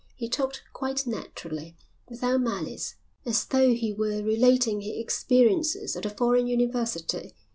He talked quite naturally, without malice, as though he were relating his experiences at a foreign university.